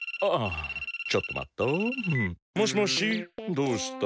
どうした？